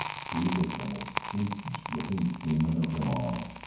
He was the most fiendish looking demon of them all.